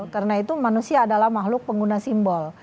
karena itu manusia adalah makhluk pengguna simbol